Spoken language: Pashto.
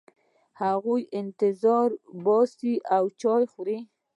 هغوی انتظار باسي او چای خوري.